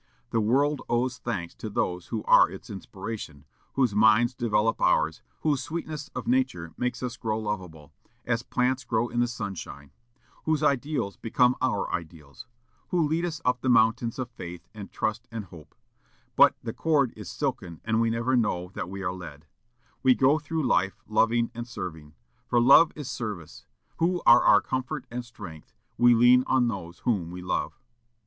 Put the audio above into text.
The world owes thanks to those who are its inspiration; whose minds develop ours; whose sweetness of nature makes us grow lovable, as plants grow in the sunshine; whose ideals become our ideals; who lead us up the mountains of faith and trust and hope, but the cord is silken and we never know that we are led; who go through life loving and serving for love is service; who are our comfort and strength we lean on those whom we love.